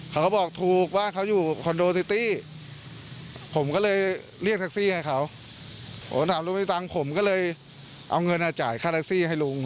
เขาก็บอกถูกว่าเขาอยู่คอนโดซิตี้ผมก็เลยเรียกแท็กซี่ให้เขาผมถามลุงมีตังค์ผมก็เลยเอาเงินจ่ายค่าแท็กซี่ให้ลุง